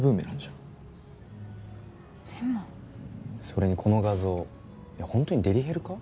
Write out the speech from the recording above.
それにこの画像いやほんとにデリヘルか？